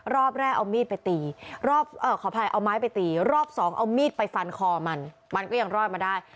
รอบแรกเอามีดไปตีขออภัยเอาไม้ไปตีรอบสองเอามีดไปฟันคอมันมันก็ยังรอดมาได้